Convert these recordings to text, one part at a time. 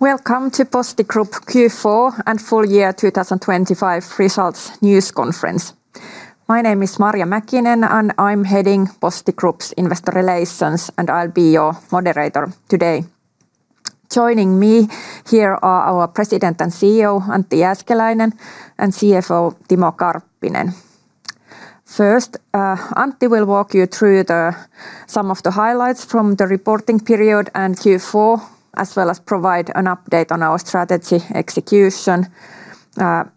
Welcome to Posti Group Q4 and Full Year 2025 results news conference. My name is Marja Mäkinen, and I'm heading Posti Group's Investor Relations, and I'll be your moderator today. Joining me here are our President and CEO, Antti Jääskeläinen; and CFO, Timo Karppinen. First, Antti will walk you through some of the highlights from the reporting period and Q4, as well as provide an update on our strategy execution.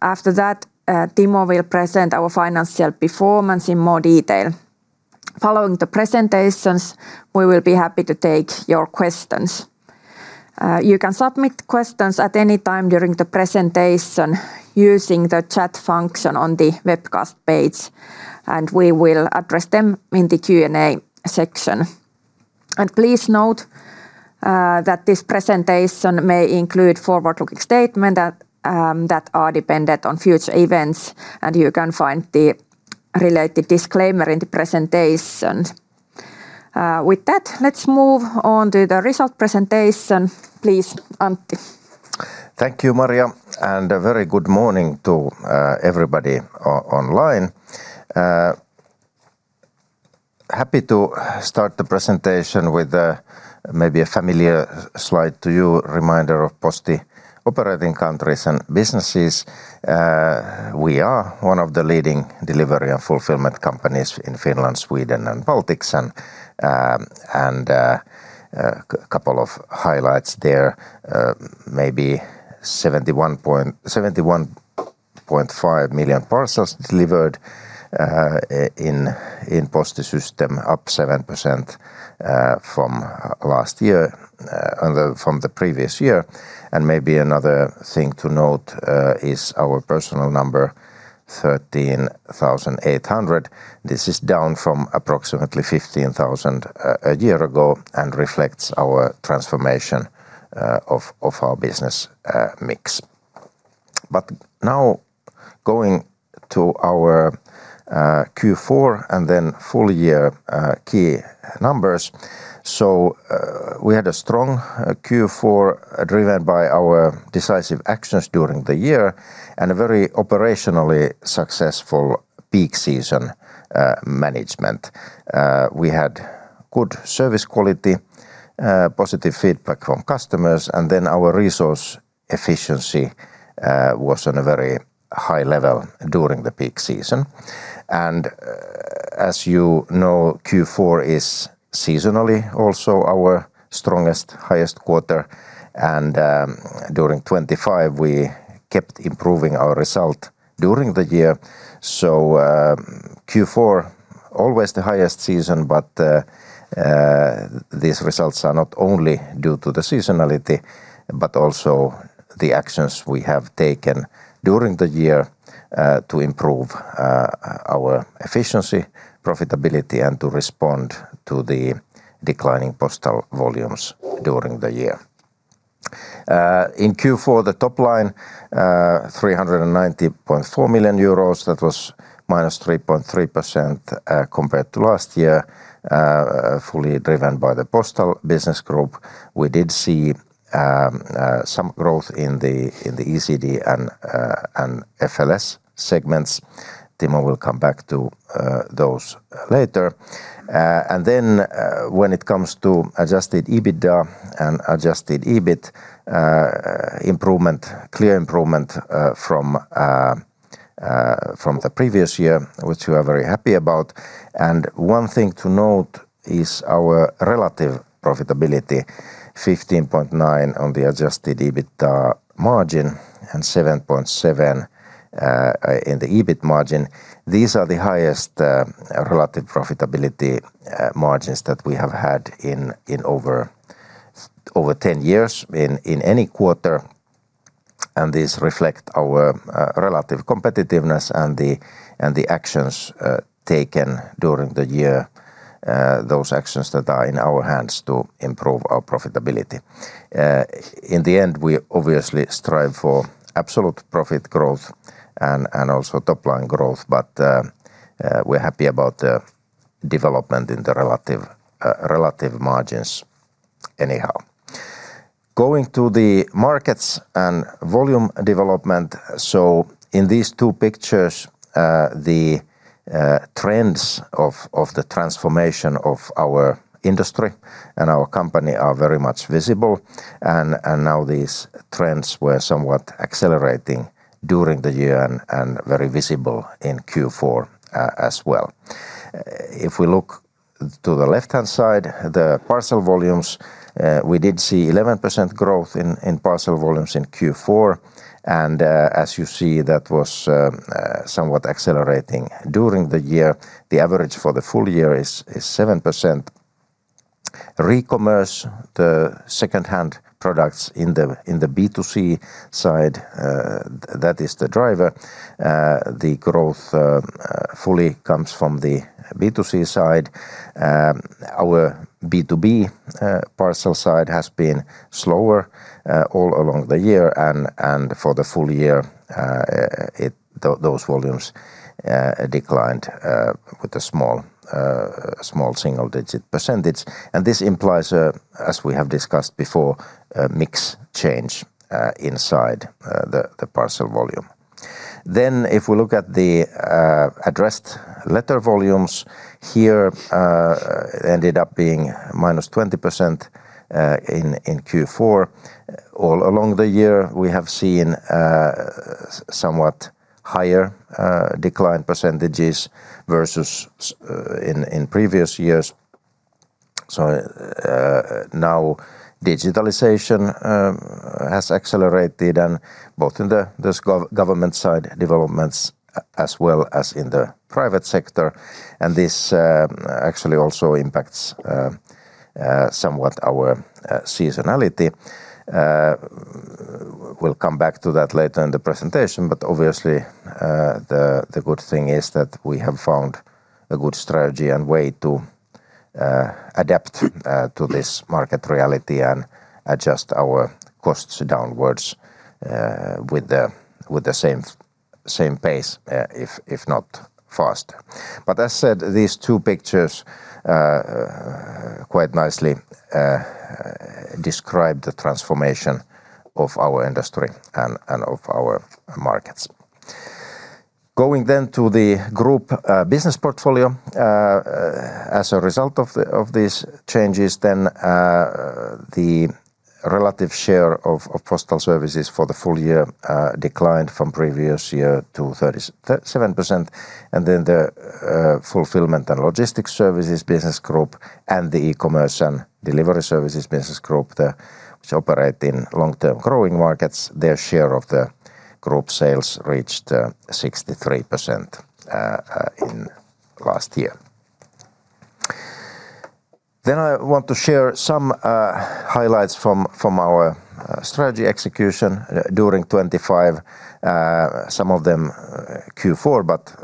After that, Timo will present our financial performance in more detail. Following the presentations, we will be happy to take your questions. You can submit questions at any time during the presentation using the chat function on the webcast page, and we will address them in the Q&Asection. Please note that this presentation may include forward-looking statement that that are dependent on future events, and you can find the related disclaimer in the presentation. With that, let's move on to the result presentation. Please, Antti. Thank you, Marja, and a very good morning to everybody online. Happy to start the presentation with maybe a familiar slide to you, reminder of Posti operating countries and businesses. We are one of the leading delivery and fulfillment companies in Finland, Sweden, and Baltics. Couple of highlights there, maybe 71.5 million parcels delivered in Posti system, up 7% from last year and from the previous year. Maybe another thing to note is our personnel number, 13,800. This is down from approximately 15,000 a year ago and reflects our transformation of our business mix. But now going to our Q4 and then full year key numbers. So, we had a strong Q4, driven by our decisive actions during the year and a very operationally successful peak season management. We had good service quality, positive feedback from customers, and then our resource efficiency was on a very high level during the peak season. And, as you know, Q4 is seasonally also our strongest, highest quarter, and, during 2025, we kept improving our result during the year. So, Q4 always the highest season, but these results are not only due to the seasonality, but also the actions we have taken during the year to improve our efficiency, profitability, and to respond to the declining postal volumes during the year. In Q4, the top line, 390.4 million euros, that was -3.3%, compared to last year, fully driven by the Postal Business Group. We did see some growth in the ECD and FLS segments. Timo will come back to those later. And then, when it comes to adjusted EBITDA and adjusted EBIT, improvement, clear improvement, from the previous year, which we are very happy about. And one thing to note is our relative profitability, 15.9 on the adjusted EBITDA margin and 7.7 in the EBIT margin. These are the highest relative profitability margins that we have had in over 10 years in any quarter, and these reflect our relative competitiveness and the actions taken during the year, those actions that are in our hands to improve our profitability. In the end, we obviously strive for absolute profit growth and also top-line growth, but we're happy about the development in the relative margins anyhow. Going to the markets and volume development, so in these two pictures, the trends of the transformation of our industry and our company are very much visible. And now these trends were somewhat accelerating during the year and very visible in Q4, as well. If we look to the left-hand side, the parcel volumes, we did see 11% growth in parcel volumes in Q4, and, as you see, that was somewhat accelerating during the year. The average for the full year is 7%. Recommerce, the second-hand products in the B2C side, that is the driver. The growth fully comes from the B2C side. Our B2B parcel side has been slower all along the year, and for the full year, those volumes declined with a small single-digit percentage. And this implies, as we have discussed before, a mix change inside the parcel volume. Then if we look at the addressed letter volumes here, ended up being -20% in Q4. All along the year, we have seen somewhat higher decline percentages versus in previous years. So, now digitalization has accelerated and both in the government side developments as well as in the private sector, and this actually also impacts somewhat our seasonality. We'll come back to that later in the presentation, but obviously the good thing is that we have found a good strategy and way to adapt to this market reality and adjust our costs downwards with the same pace if not faster. But that said, these two pictures quite nicely describe the transformation of our industry and of our markets. Going then to the group business portfolio. As a result of these changes, then, the relative share of Postal Services for the full year declined from previous year to 37%, and then the Fulfillment and Logistics Services business group and the E-commerce and Delivery Services business group, which operate in long-term growing markets, their share of the group sales reached 63% in last year. Then I want to share some highlights from our strategy execution during 2025. Some of them Q4,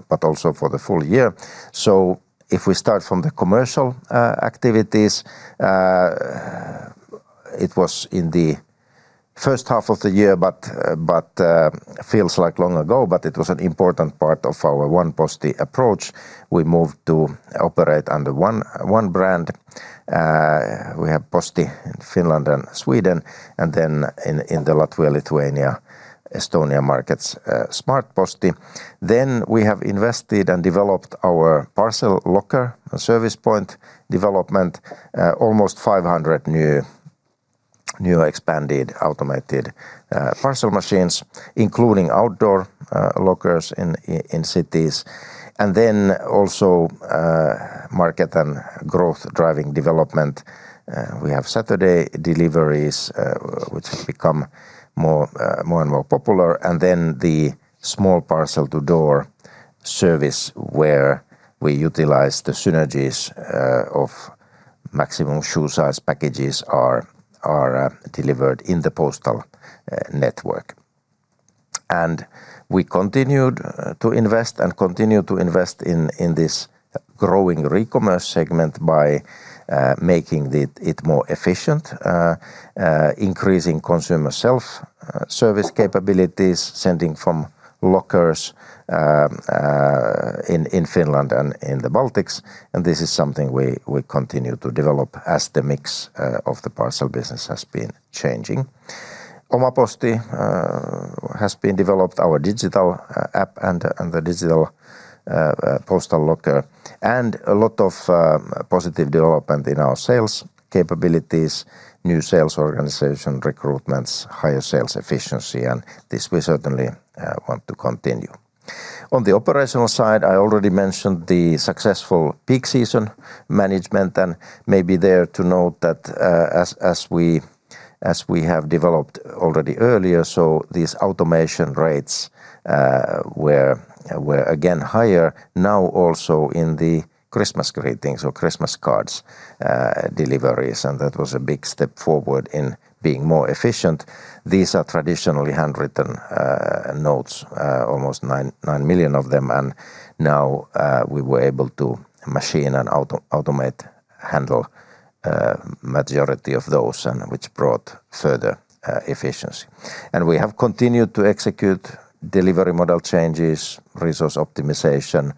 but also for the full year. So if we start from the commercial activities, it was in the first half of the year, but feels like long ago, but it was an important part of our One Posti approach. We moved to operate under one brand. We have Posti in Finland and Sweden, and then in the Latvia, Lithuania, Estonia markets, SmartPosti. Then we have invested and developed our parcel locker and service point development. Almost 500 new expanded, automated parcel machines, including outdoor lockers in cities. And then also market and growth-driving development. We have Saturday deliveries, which have become more and more popular, and then the small parcel to door service, where we utilize the synergies of maximum shoe size packages are delivered in the postal network. And we continued to invest and continue to invest in this growing recommerce segment by making it more efficient, increasing consumer self-service capabilities, sending from lockers in Finland and in the Baltics. This is something we continue to develop as the mix of the parcel business has been changing. OmaPosti has been developed, our digital app and the digital postal locker, and a lot of positive development in our sales capabilities, new sales organization, recruitments, higher sales efficiency, and this we certainly want to continue. On the operational side, I already mentioned the successful peak season management, and maybe there to note that, as we have developed already earlier, so these automation rates were again higher now also in the Christmas greetings or Christmas cards deliveries, and that was a big step forward in being more efficient. These are traditionally handwritten notes, almost nine million of them, and now we were able to machine and automate handle majority of those and which brought further efficiency. We have continued to execute delivery model changes, resource optimization,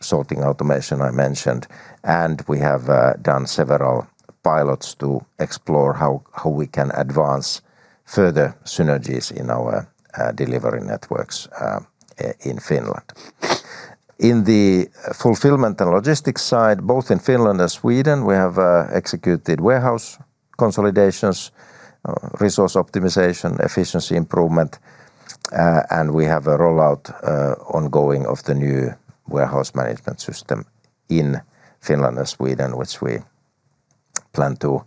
sorting automation, I mentioned, and we have done several pilots to explore how we can advance further synergies in our delivery networks in Finland. In the fulfillment and logistics side, both in Finland and Sweden, we have executed warehouse consolidations, resource optimization, efficiency improvement, and we have a rollout ongoing of the new warehouse management system in Finland and Sweden, which we plan to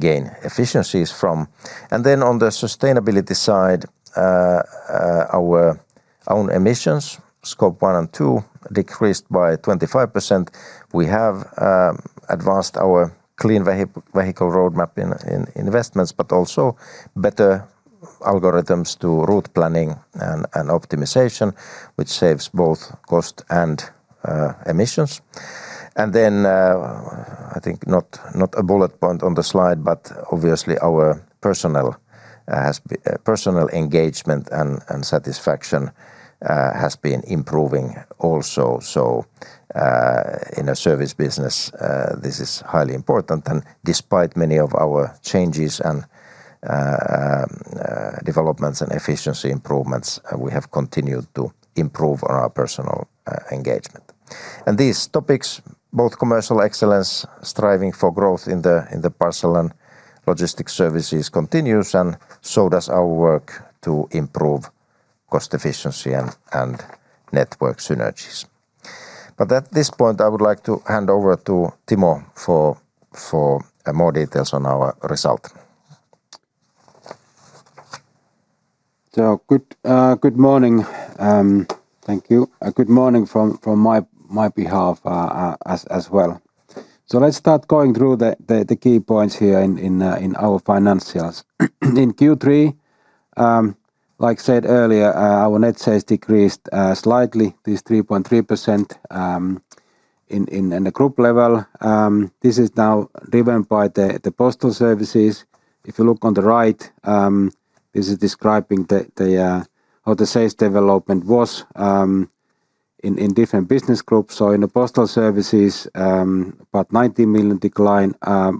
gain efficiencies from. Then on the sustainability side, our own emissions, Scope 1 and 2, decreased by 25%. We have advanced our clean vehicle roadmap in investments, but also better algorithms to route planning and optimization, which saves both cost and emissions. And then, I think not a bullet point on the slide, but obviously our personnel has personal engagement and satisfaction has been improving also. So, in a service business, this is highly important, and despite many of our changes and developments and efficiency improvements, we have continued to improve on our personal engagement. And these topics, both commercial excellence, striving for growth in the parcel and logistics services continues, and so does our work to improve cost efficiency and network synergies. But at this point, I would like to hand over to Timo for more details on our result. Good morning. Thank you. Good morning from my behalf, as well. So let's start going through the key points here in our financials. In Q3, like I said earlier, our net sales decreased slightly, this 3.3%, in the group level. This is now driven by the Postal Services. If you look on the right, this is describing the how the sales development was in different business groups. So in the Postal Services, about 90 million decline.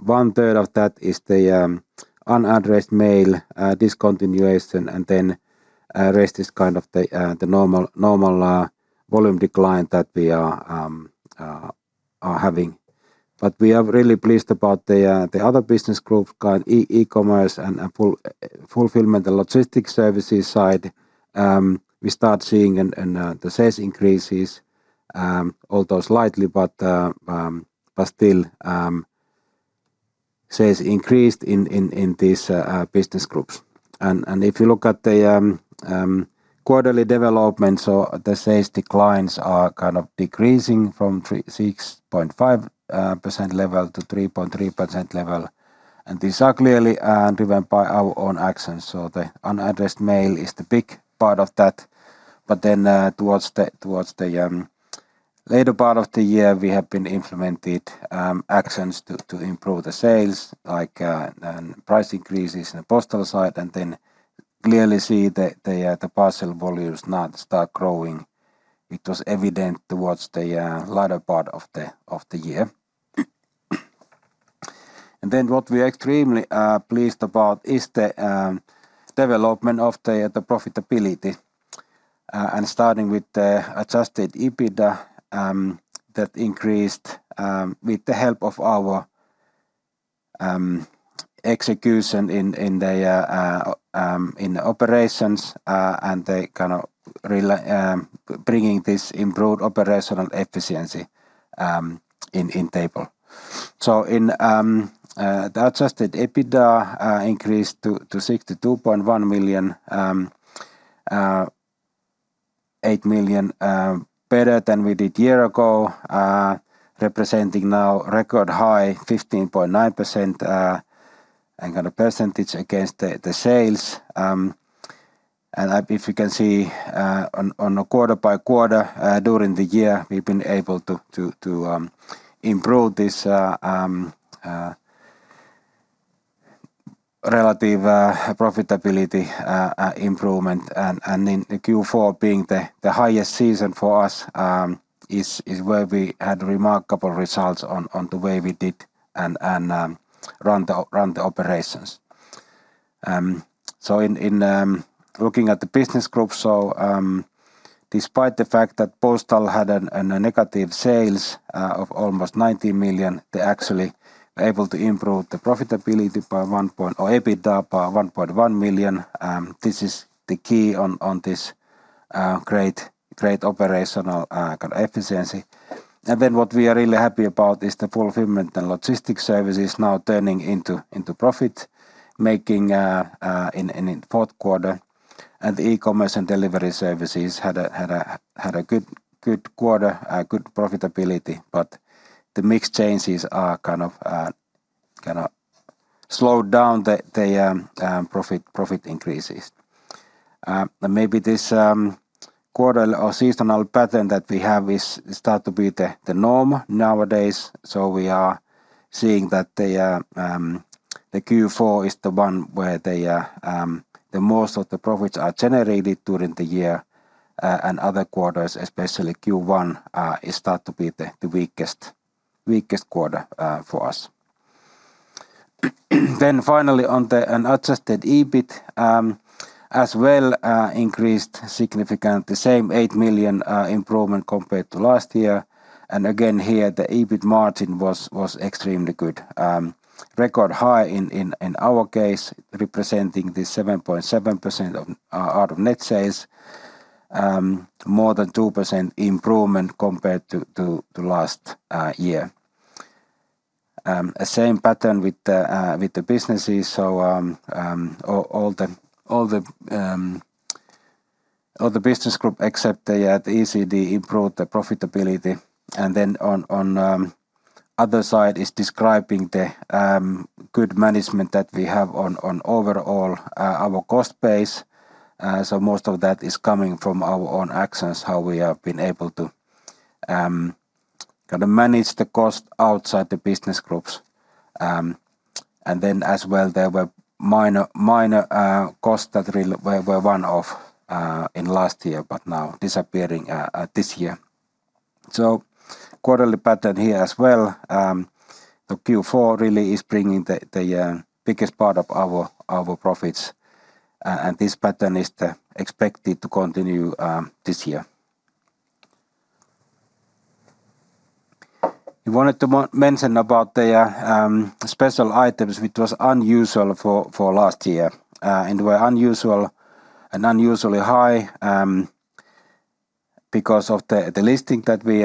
One third of that is the unaddressed mail discontinuation, and then rest is kind of the normal volume decline that we are having. But we are really pleased about the other business groups, kind of e-commerce and fulfillment and logistics services side. We start seeing the sales increases, although slightly, but still, sales increased in these business groups. And if you look at the quarterly development, so the sales declines are kind of decreasing from 3.65% level to 3.3% level, and these are clearly driven by our own actions. So the unaddressed mail is the big part of that. But then, towards the later part of the year, we have been implemented actions to improve the sales, like price increases in the postal side, and then clearly see the parcel volumes now start growing, which was evident towards the latter part of the year. And then what we are extremely pleased about is the development of the profitability, and starting with the Adjusted EBITDA, that increased with the help of our execution in the operations, and the kind of bringing this improved operational efficiency in table. So in the Adjusted EBITDA increased to 62.1 million, 8 million better than we did year ago, representing now record high 15.9%, and kind of percentage against the sales. And if you can see on a quarter-by-quarter during the year, we've been able to improve this relative profitability improvement. And in Q4 being the highest season for us is where we had remarkable results on the way we did and run the operations. So, looking at the business groups, despite the fact that Postal had a negative sales of almost 90 million, they actually were able to improve the profitability by 1 point or EBITDA by 1.1 million. This is the key on this great operational kind of efficiency. And then what we are really happy about is the Fulfillment and Logistics Services now turning into profit making in fourth quarter. And the E-commerce and Delivery Services had a good quarter, good profitability, but the mix changes are kind of kind of slowed down the profit increases. But maybe this quarter or seasonal pattern that we have is start to be the norm nowadays. So we are seeing that the Q4 is the one where the most of the profits are generated during the year, and other quarters, especially Q1, is start to be the weakest quarter for us. Then finally, on the unadjusted EBIT, as well, increased significantly, same 8 million improvement compared to last year. And again, here, the EBIT margin was extremely good. Record high in our case, representing the 7.7% of out of net sales more than 2% improvement compared to last year. A same pattern with the businesses. So all the business group except the ECD improved the profitability. And then on the other side is describing the good management that we have on overall our cost base. So most of that is coming from our own actions, how we have been able to kind of manage the cost outside the business groups. And then as well, there were minor costs that really were one-off in last year, but now disappearing this year. So quarterly pattern here as well. The Q4 really is bringing the biggest part of our profits, and this pattern is expected to continue this year. We wanted to mention about the special items, which was unusual for last year, and were unusual and unusually high, because of the listing that we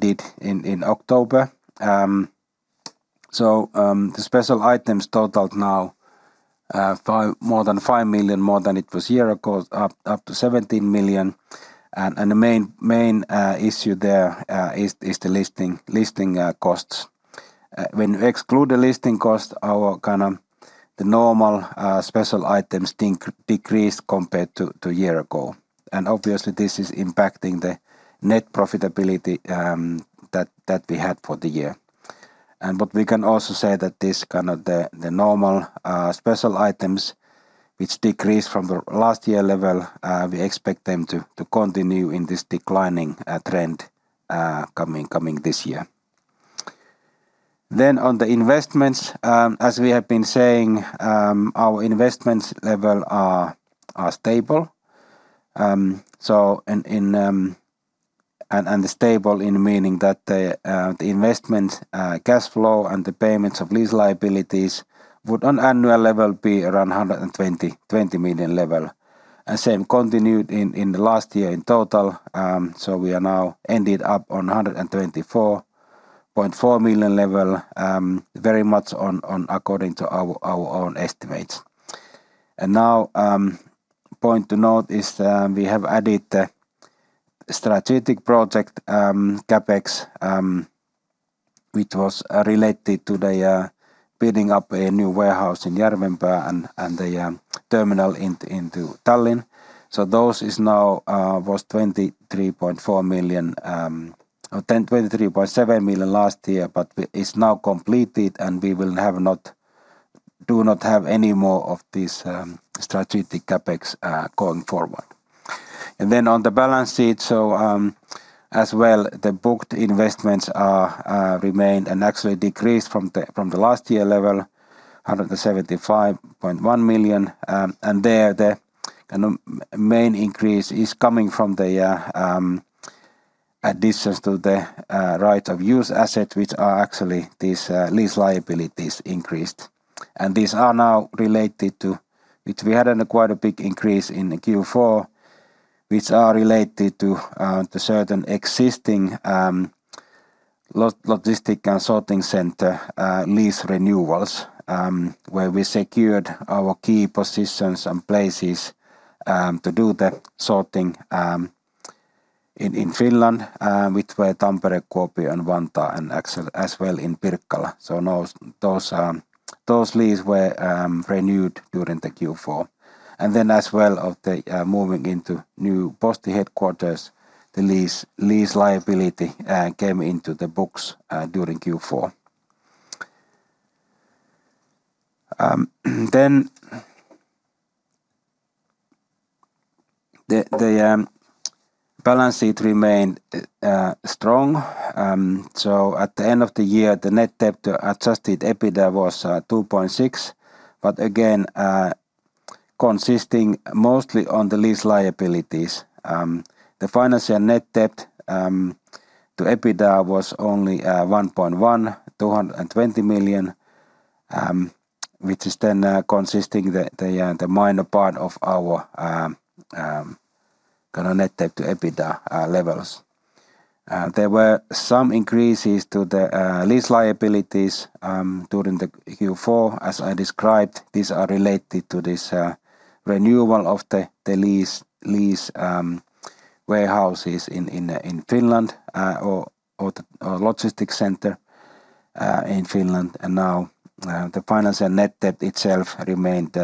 did in October. So, the special items totaled now more than 5 million, more than it was year ago, up to 17 million. And the main issue there is the listing costs. When we exclude the listing cost, our kind of the normal special items decreased compared to year ago. And obviously, this is impacting the net profitability that we had for the year. And but we can also say that this kind of the normal special items, which decreased from the last year level, we expect them to continue in this declining trend coming this year. Then on the investments, as we have been saying, our investments level are stable. So in stable in meaning that the investment cash flow and the payments of lease liabilities would on annual level be around 120 million-130 million level. Same continued in the last year in total, so we are now ended up on 124.4 million level, very much according to our own estimates. Point to note is, we have added the strategic project CapEx, which was related to the building up a new warehouse in Järvenpää and the terminal into Tallinn. So those is now was 23.4 million, or 10 million-23.7 million last year, but it's now completed, and we do not have any more of this strategic CapEx going forward. Then on the balance sheet, as well, the booked investments are remained and actually decreased from the last year level, 175.1 million. And there, the kind of main increase is coming from the additions to the right-of-use assets, which are actually these lease liabilities increased. And these are now related to which we had quite a big increase in Q4, which are related to the certain existing logistic and sorting center lease renewals, where we secured our key positions and places to do the sorting in Finland, which were Tampere, Kuopio and Vantaa, and as well in Pirkkala. So those leases were renewed during the Q4. Then, as well as the moving into new Posti headquarters, the lease liability came into the books during Q4. Then the balance sheet remained strong. So at the end of the year, the net debt to Adjusted EBITDA was 2.6x, but again consisting mostly of the lease liabilities. The financial net debt to EBITDA was only 1.1x, 220 million, which is then consisting of the minor part of our kind of net debt to EBITDA levels. There were some increases to the lease liabilities during Q4. As I described, these are related to this renewal of the lease for warehouses in Finland, or the logistics center in Finland. And now, the financial net debt itself remained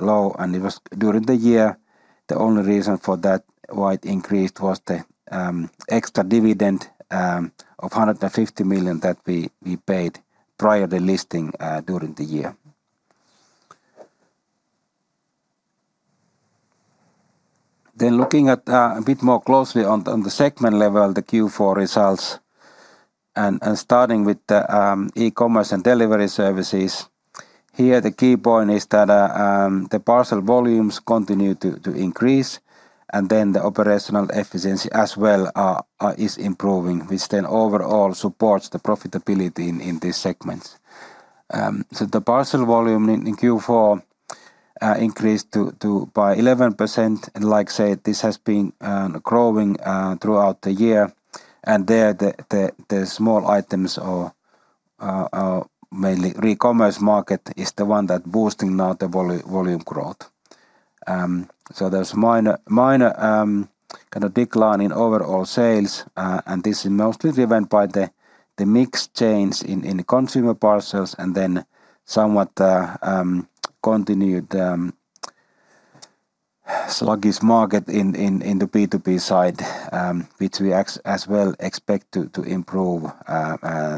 low, and it was during the year. The only reason for that, why it increased, was the extra dividend of 150 million that we paid prior the listing during the year. Then looking at a bit more closely on the segment level, the Q4 results, and starting with the E-commerce and Delivery Services. Here, the key point is that the parcel volumes continue to increase, and then the operational efficiency as well is improving, which then overall supports the profitability in these segments. So the parcel volume in Q4 increased by 11%. And like I said, this has been growing throughout the year. The small items or mainly ecommerce market is the one that boosting now the volume growth. So there's minor kind of decline in overall sales, and this is mostly driven by the mix change in consumer parcels, and then somewhat continued sluggish market in the B2B side, which we as well expect to improve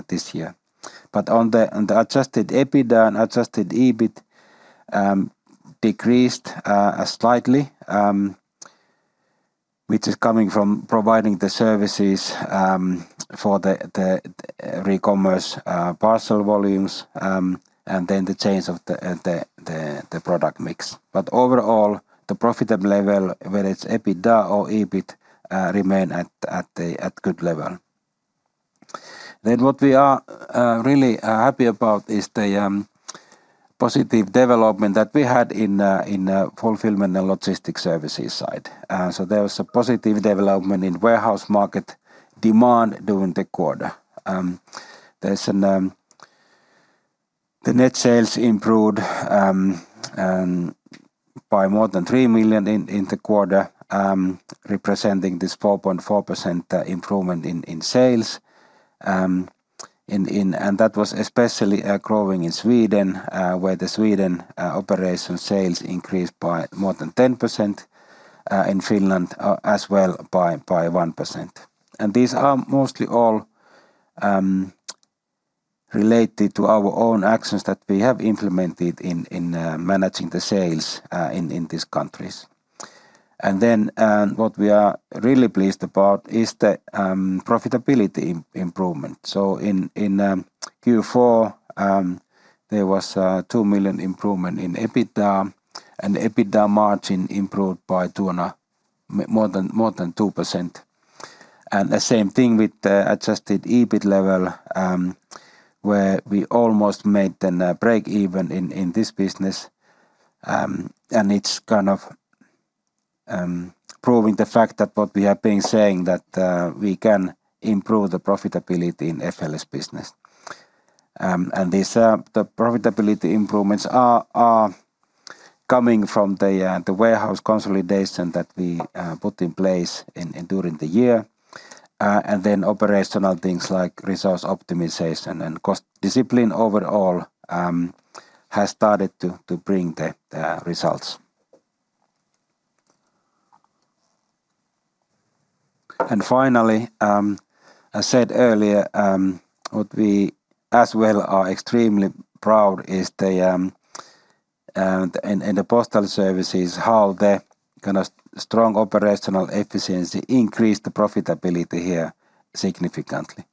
this year. But the adjusted EBITDA and adjusted EBIT decreased slightly, which is coming from providing the services for the recommerce parcel volumes and then the change of the product mix. But overall, the profitable level, whether it's EBITDA or EBIT, remain at the good level. Then what we are really happy about is the positive development that we had in fulfillment and logistics services side. So there was a positive development in warehouse market demand during the quarter. The net sales improved by more than 3 million in the quarter, representing this 4.4% improvement in sales. And that was especially growing in Sweden, where the Sweden operation sales increased by more than 10% in Finland as well by 1%. And these are mostly all related to our own actions that we have implemented in managing the sales in these countries. And then what we are really pleased about is the profitability improvement. So in Q4, there was a 2 million improvement in EBITDA, and EBITDA margin improved by more than 2%. And the same thing with the adjusted EBIT level, where we almost made a break-even in this business. And it's kind of proving the fact that what we have been saying, that we can improve the profitability in FLS business. And these profitability improvements are coming from the warehouse consolidation that we put in place during the year. And then operational things like resource optimization and cost discipline overall has started to bring the results. And finally, I said earlier, what we as well are extremely proud of is, in the Postal Services, how the kind of strong operational efficiency increased the profitability here significantly.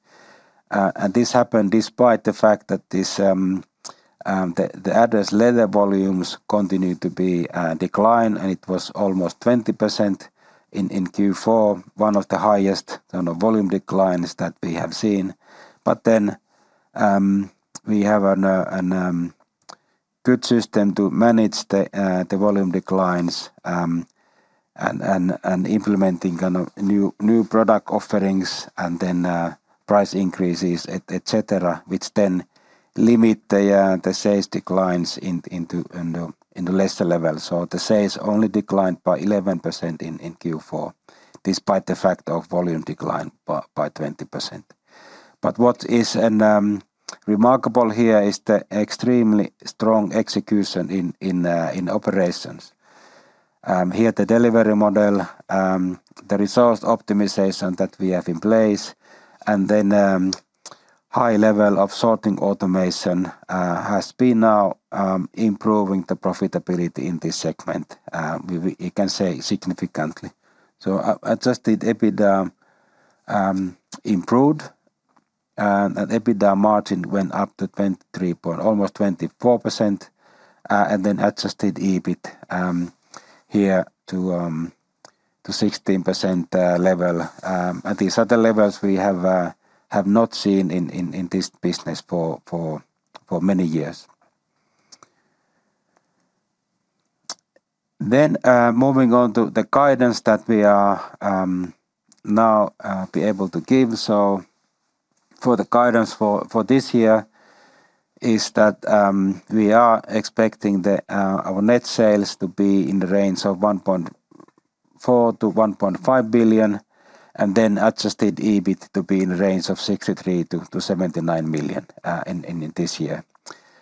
And this happened despite the fact that the addressed letter volumes continued to decline, and it was almost 20% in Q4, one of the highest kind of volume declines that we have seen. But then, we have a good system to manage the volume declines, and implementing kind of new product offerings and then price increases, et cetera, which then limit the sales declines to a lesser level. So the sales only declined by 11% in Q4, despite the fact of volume decline by 20%. But what is remarkable here is the extremely strong execution in operations. Here, the delivery model, the resource optimization that we have in place, and then, high level of sorting automation, has been now improving the profitability in this segment, you can say significantly. So Adjusted EBITDA improved, and EBITDA margin went up to 23% almost 24%, and then Adjusted EBIT here to 16% level. And these are the levels we have not seen in this business for many years. Then, moving on to the guidance that we are now be able to give. So for the guidance for this year is that we are expecting our net sales to be in the range of 1.4 billion-1.5 billion, and then Adjusted EBIT to be in the range of 63 million-79 million in this year.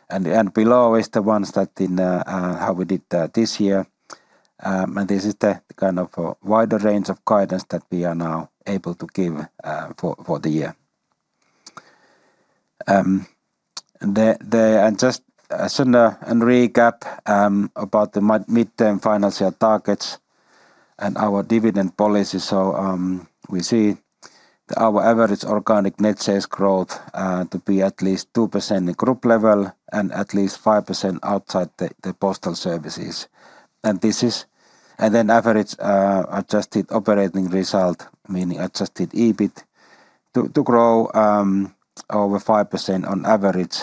And below is the ones that in how we did this year. And this is the kind of wider range of guidance that we are now able to give for the year. And just a sudden recap about the mid-term financial targets and our dividend policy. So we see our average organic net sales growth to be at least 2% in group level and at least 5% outside the Postal Services. And then average adjusted operating result, meaning adjusted EBIT, to grow over 5% on average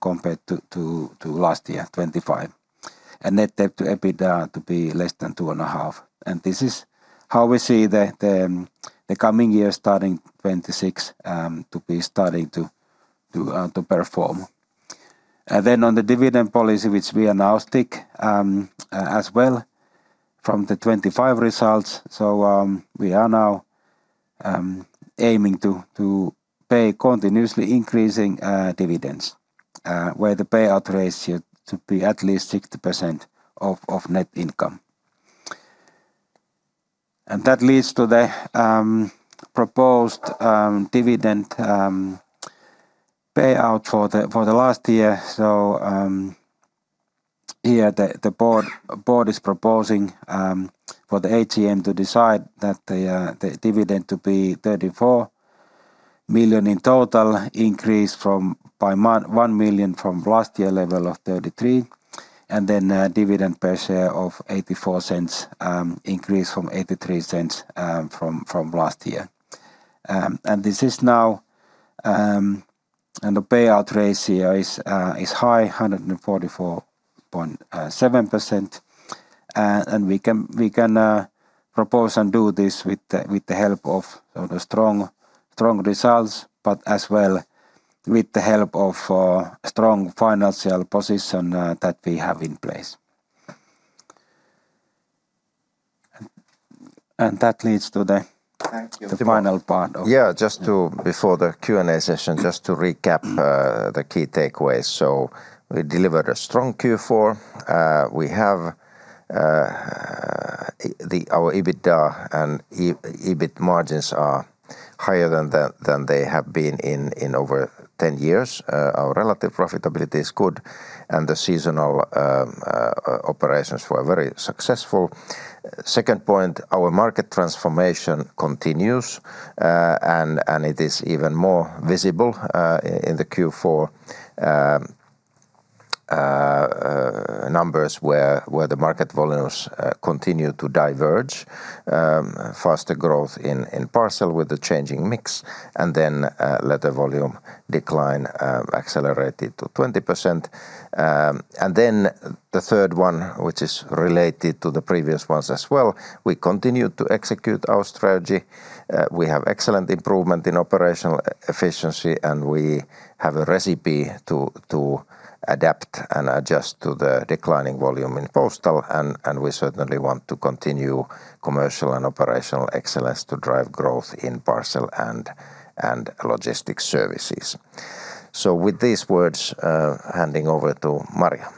compared to last year 2025 and net debt to EBITDA to be less than 2.5. And this is how we see the coming year, starting 2026, to be starting to perform. And then on the dividend policy, which we are now stick as well from the 2025 results. So, we are now aiming to pay continuously increasing dividends where the payout ratio to be at least 60% of net income. And that leads to the proposed dividend payout for the last year. So, here, the board is proposing for the AGM to decide that the dividend to be 34 million in total, increased by 1 million from last year level of 33, and then, dividend per share of 0.84, increased from 0.83, from last year. And this is now. And the payout ratio is high, 144.7%. And we can propose and do this with the help of the strong results, but as well, with the help of a strong financial position that we have in place. And that leads to the. Thank you. The final part of. Yeah, just to before the Q&A session, just to recap, the key takeaways. So we delivered a strong Q4. Our EBITDA and EBIT margins are higher than they have been in over 10 years. Our relative profitability is good, and the seasonal operations were very successful. Second point, our market transformation continues, and it is even more visible in the Q4 numbers, where the market volumes continue to diverge. Faster growth in parcel with the changing mix, and then letter volume decline accelerated to 20%. And then the third one, which is related to the previous ones as well, we continued to execute our strategy. We have excellent improvement in operational efficiency, and we have a recipe to adapt and adjust to the declining volume in postal. We certainly want to continue commercial and operational excellence to drive growth in parcel and logistics services. With these words, handing over to Marja.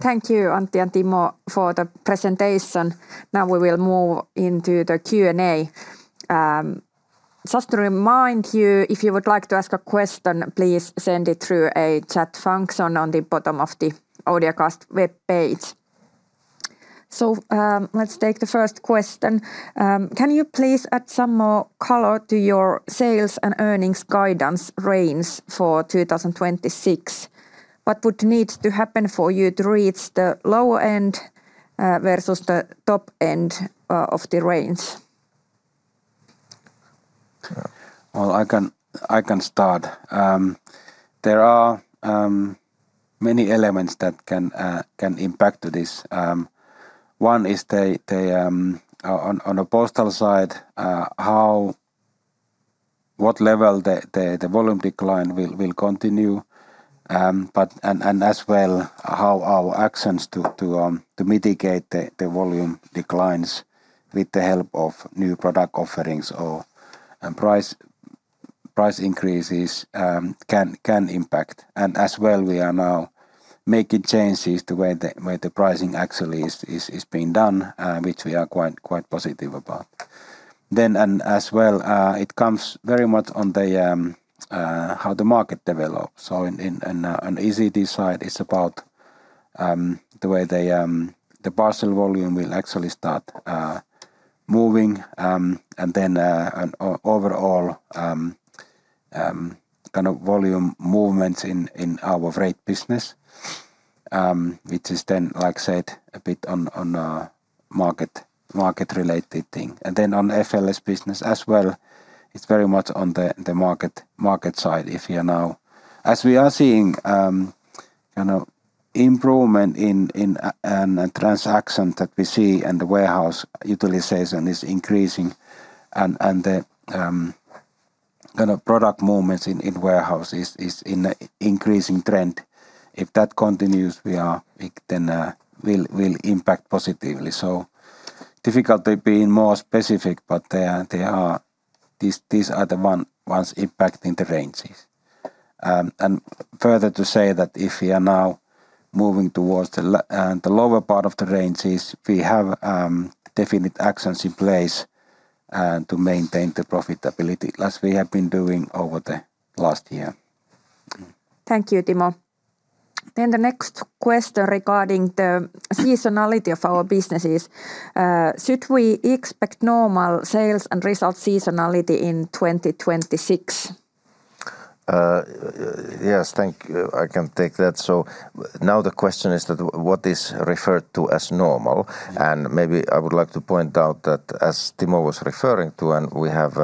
Thank you, Antti and Timo, for the presentation. Now we will move into the Q&A. Just to remind you, if you would like to ask a question, please send it through a chat function on the bottom of the audiocast webpage. So, let's take the first question. Can you please add some more color to your sales and earnings guidance range for 2026? What would need to happen for you to reach the lower end versus the top end of the range? Well, I can start. There are many elements that can impact this. One is, on a postal side, what level the volume decline will continue. But and as well, how our actions to mitigate the volume declines with the help of new product offerings or and price increases can impact. And as well, we are now making changes the way where the pricing actually is being done, which we are quite positive about. Then, and as well, it comes very much on how the market develops. So in and on ECD side, it's about the way the parcel volume will actually start moving. And then overall, kind of volume movements in our rate business, which is then, like I said, a bit on market-related thing. And then on FLS business as well, it's very much on the market side. As we are seeing, you know, improvement in and transaction that we see, and the warehouse utilization is increasing, and the kind of product movements in warehouse is in an increasing trend. If that continues, it then will impact positively. So, difficulty being more specific, but they are, these are the ones impacting the ranges. Further to say that if we are now moving towards the lower part of the ranges, we have definite actions in place to maintain the profitability, as we have been doing over the last year. Thank you, Timo. The next question regarding the seasonality of our businesses: should we expect normal sales and result seasonality in 2026? Yes, thank you. I can take that. So now the question is that what is referred to as normal? And maybe I would like to point out that as Timo was referring to, and we have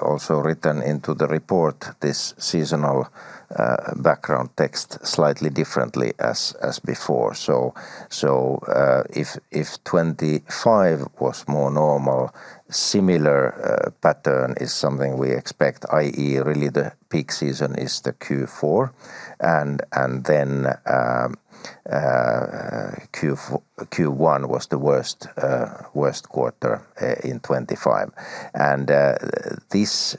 also written into the report this seasonal background text slightly differently as before. So, if 2025 was more normal, similar pattern is something we expect, i.e., really the peak season is the Q4, and then Q1 was the worst quarter in 2025. This,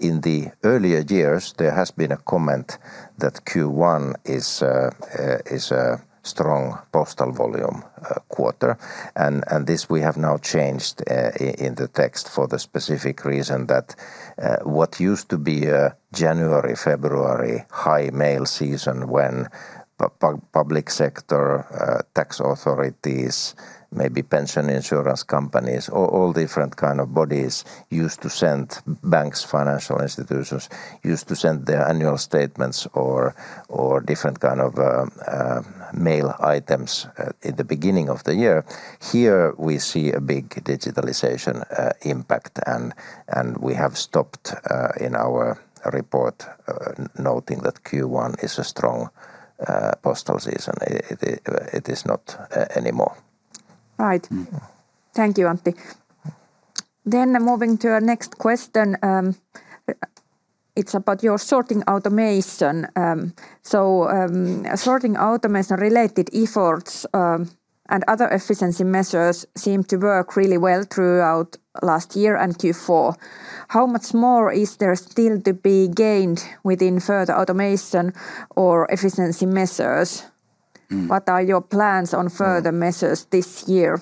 in the earlier years, there has been a comment that Q1 is a strong postal volume quarter, and this we have now changed in the text for the specific reason that what used to be a January, February high mail season when public sector tax authorities, maybe pension insurance companies, all different kind of bodies used to send banks, financial institutions, used to send their annual statements or different kind of mail items in the beginning of the year. Here, we see a big digitalization impact, and we have stopped in our report noting that Q1 is a strong postal season. It is not anymore. Right. Thank you, Antti. Then moving to our next question, it's about your sorting automation. So, sorting automation-related efforts, and other efficiency measures seemed to work really well throughout last year and Q4. How much more is there still to be gained within further automation or efficiency measures? What are your plans on further measures this year?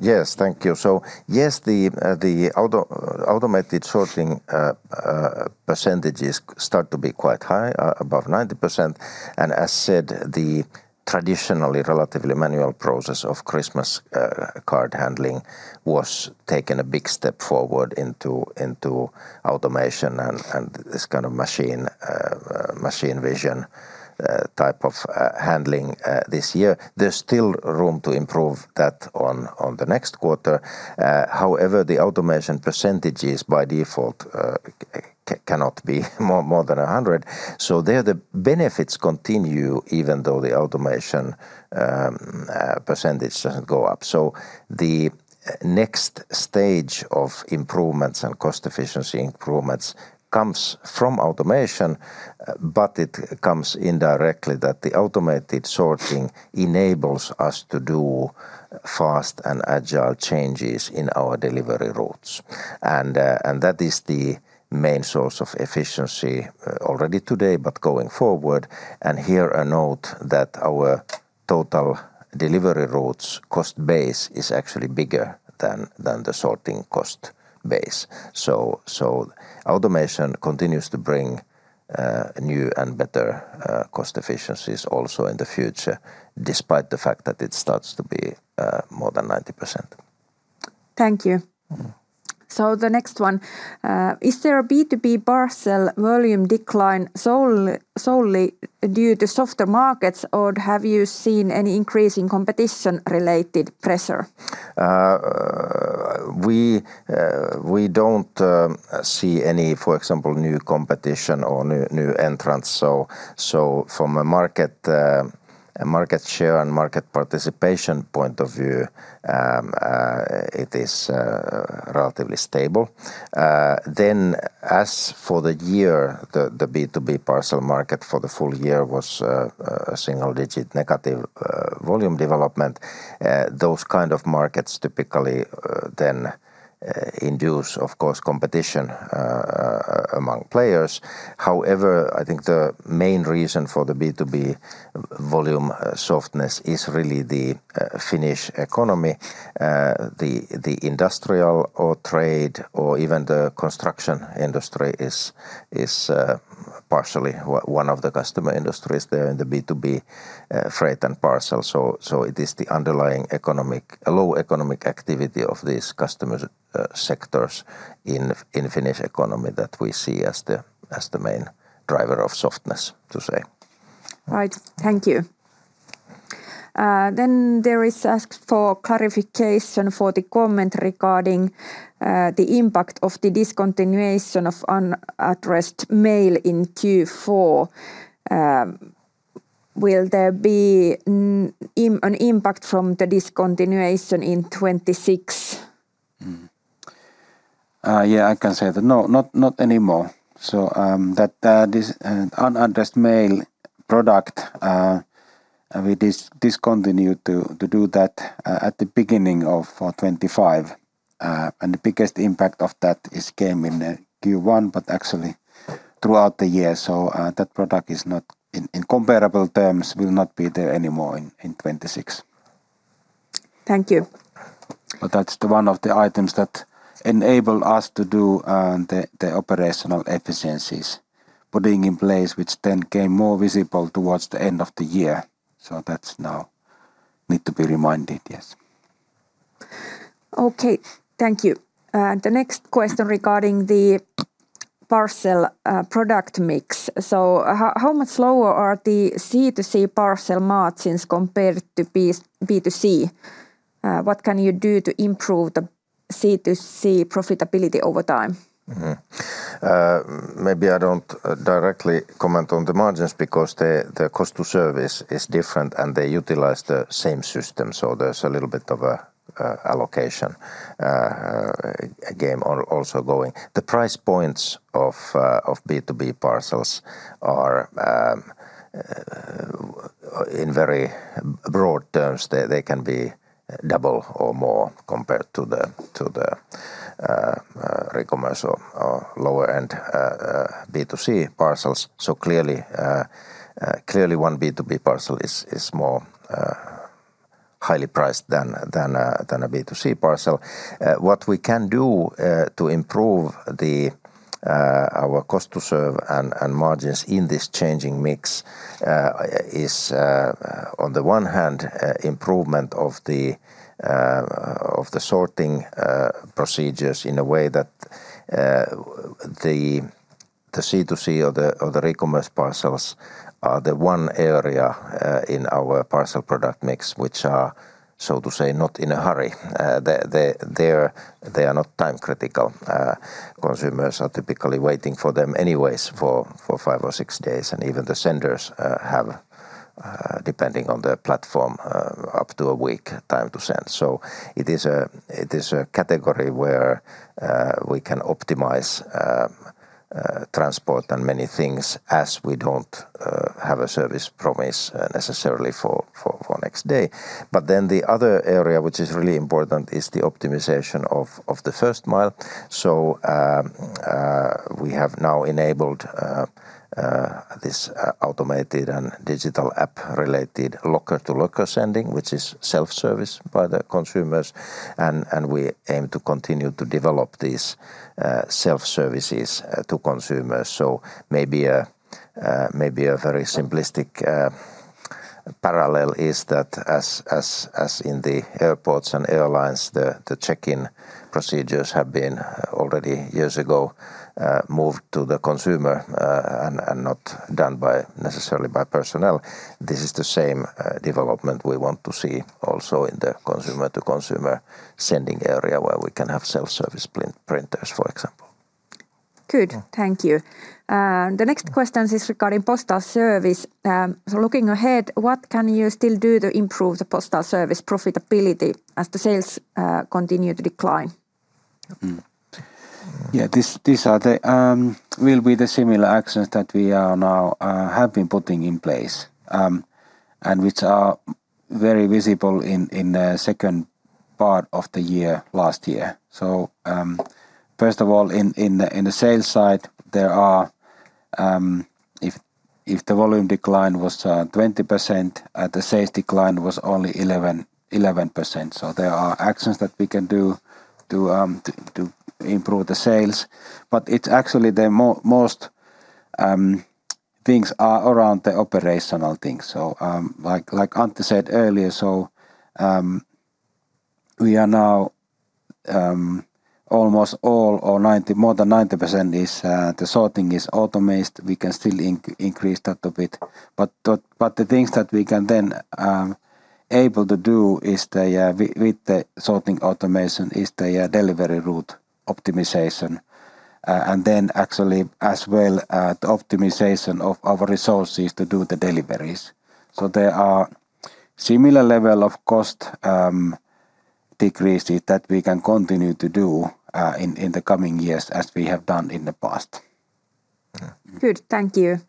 Yes. Thank you. So, yes, the automated sorting percentages start to be quite high, above 90%, and as said, the traditionally relatively manual process of Christmas card handling was taken a big step forward into automation and this kind of machine vision type of handling this year. There's still room to improve that on the next quarter. However, the automation percentages by default cannot be more than 100%, so there the benefits continue even though the automation percentage doesn't go up. So the next stage of improvements and cost efficiency improvements comes from automation, but it comes indirectly that the automated sorting enables us to do fast and agile changes in our delivery routes, and that is the main source of efficiency already today, but going forward. And here, a note that our total delivery routes cost base is actually bigger than the sorting cost base. So automation continues to bring new and better cost efficiencies also in the future, despite the fact that it starts to be more than 90%. Thank you. So the next one, is there a B2B parcel volume decline solely due to softer markets, or have you seen any increase in competition-related pressure? We don't see any, for example, new competition or new entrants, so from a market share and market participation point of view, it is relatively stable. Then as for the year, the B2B parcel market for the full year was a single-digit negative volume development. Those kind of markets typically then induce, of course, competition among players. However, I think the main reason for the B2B volume softness is really the Finnish economy. The industrial or trade or even the construction industry is partially one of the customer industries there in the B2B freight and parcel. So it is the underlying economic. a low economic activity of these customer sectors in Finnish economy that we see as the main driver of softness, to say. Right. Thank you. Then there is asked for clarification for the comment regarding the impact of the discontinuation of unaddressed mail in Q4. Will there be an impact from the discontinuation in 2026? Yeah, I can say that. No, not, not anymore. So, that, this unaddressed mail product, we discontinued to do that, at the beginning of 2025. And the biggest impact of that is came in the Q1, but actually throughout the year, so, that product is not, in comparable terms, will not be there anymore in 2026. Thank you. But that's one of the items that enabled us to do the operational efficiencies, putting in place, which then became more visible towards the end of the year. So that's now need to be reminded. Yes. Okay, thank you. The next question regarding the parcel product mix. So how much lower are the C2C parcel margins compared to B2C? What can you do to improve the C2C profitability over time? Maybe I don't directly comment on the margins because the cost to service is different, and they utilize the same system, so there's a little bit of a allocation game also going. The price points of B2B parcels are, in very broad terms, they can be double or more compared to the recommerce or lower-end B2C parcels. So clearly, clearly one B2B parcel is more highly priced than a B2C parcel. What we can do to improve the, our cost to serve and margins in this changing mix is, on the one hand, improvement of the sorting procedures in a way that the C2C or the recommerce parcels are the one area in our parcel product mix, which are, so to say, not in a hurry. They are not time-critical. Consumers are typically waiting for them anyways for five or six days, and even the senders have, depending on the platform, up to a week time to send. So it is a category where we can optimize transport and many things as we don't have a service promise necessarily for next day. But then the other area which is really important is the optimization of the first mile. So, we have now enabled this automated and digital app-related locker-to-locker sending, which is self-service by the consumers, and we aim to continue to develop these self-services to consumers. So maybe a very simplistic parallel is that as in the airports and airlines, the check-in procedures have been already years ago moved to the consumer, and not done by, necessarily by personnel. This is the same development we want to see also in the consumer-to-consumer sending area, where we can have self-service printers, for example. Good. Thank you. The next question is regarding postal service. So looking ahead, what can you still do to improve the postal service profitability as the sales continue to decline? Yeah, these will be the similar actions that we are now have been putting in place, and which are very visible in the second part of the year last year. So, first of all, in the sales side, there are if the volume decline was 20%, the sales decline was only 11%, so there are actions that we can do to improve the sales. But it's actually the most things are around the operational things. So, like Antti said earlier, we are now almost all or more than 90% is the sorting is automated. We can still increase that a bit. But the things that we can then able to do is with the sorting automation, the delivery route optimization. And then actually as well, the optimization of our resources to do the deliveries. So there are similar level of cost decreases that we can continue to do in the coming years, as we have done in the past. Good. Thank you.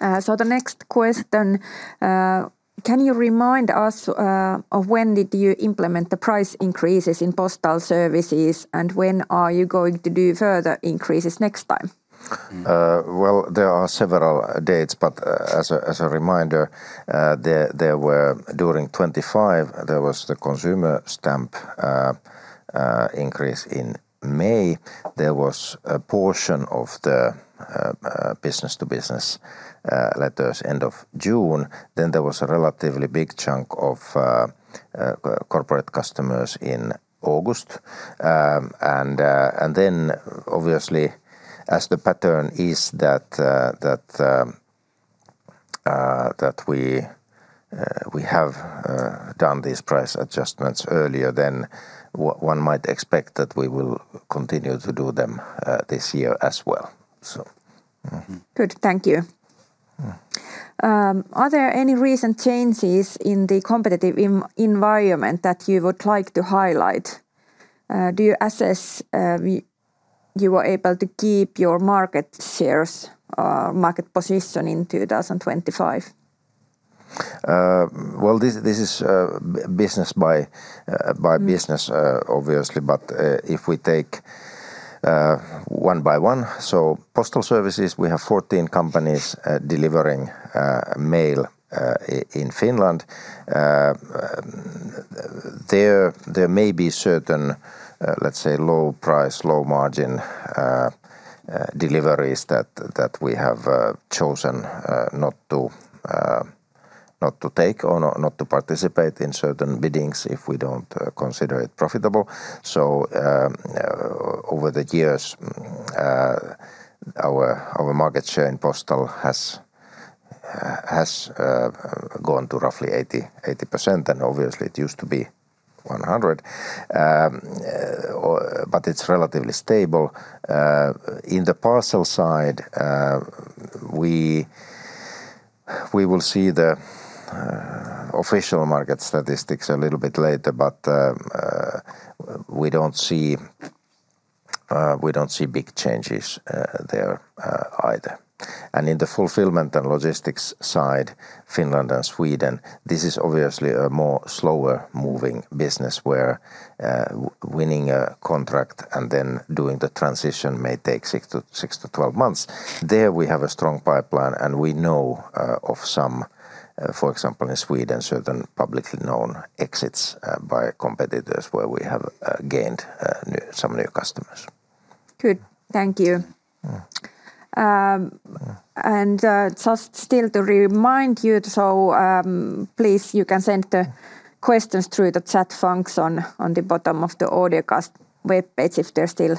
Yeah. So the next question, can you remind us of when did you implement the price increases in postal services, and when are you going to do further increases next time? Well, there are several dates, but as a reminder, there were during 2025, there was the consumer stamp increase in May. There was a portion of the business-to-business letters end of June. Then there was a relatively big chunk of corporate customers in August. And then obviously, as the pattern is that we have done these price adjustments earlier, one might expect that we will continue to do them this year as well. Good. Thank you. Are there any recent changes in the competitive environment that you would like to highlight? Do you assess you were able to keep your market shares, market position in 2025? Well, this is business by business obviously, but if we take one by one, so postal services, we have 14 companies delivering mail in Finland. There may be certain, let's say, low price, low-margin deliveries that we have chosen not to take or not to participate in certain biddings if we don't consider it profitable. So over the years, our market share in postal has gone to roughly 80%, and obviously it used to be 100%. But it's relatively stable. In the parcel side, we will see the official market statistics a little bit later, but we don't see big changes there either. In the fulfillment and logistics side, Finland and Sweden, this is obviously a more slower-moving business, where winning a contract and then doing the transition may take six to 12 months. There, we have a strong pipeline, and we know of some, for example, in Sweden, certain publicly known exits by competitors where we have gained some new customers. Good. Thank you. And just still to remind you, please, you can send the questions through the chat function on the bottom of the audiocast webpage if there's still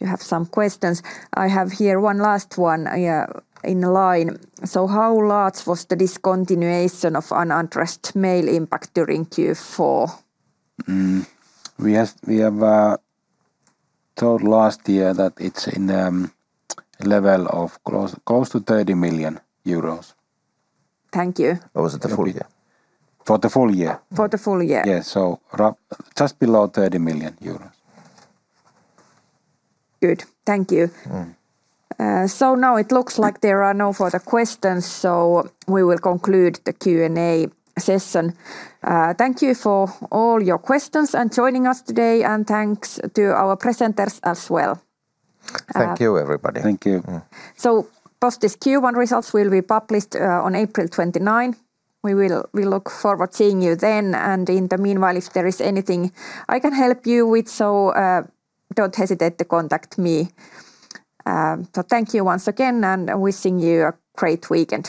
you have some questions. I have here one last one, yeah, in line: So how large was the discontinuation of unaddressed mail impact during Q4? We have told last year that it's in a level close to 30 million euros. Thank you. That was the full year? For the full year. For the full year. Yeah, so just below 30 million euros. Good. Thank you. So now it looks like there are no further questions, so we will conclude the Q&A session. Thank you for all your questions and joining us today, and thanks to our presenters as well. Thank you, everybody. Thank you. So Posti's Q1 results will be published on April 29, 2025. We look forward seeing you then, and in the meanwhile, if there is anything I can help you with, don't hesitate to contact me. Thank you once again, and wishing you a great weekend.